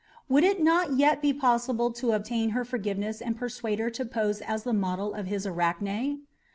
Would it not yet be possible to obtain her forgiveness and persuade her to pose as the model of his Arachne?